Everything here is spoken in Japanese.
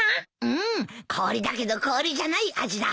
うん氷だけど氷じゃない味だ。